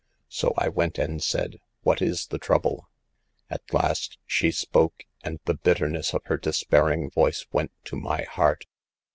So I went and said : 4 What is the trouble ?' At last she spoke, and the bitterness of her despairing voice went to my heart.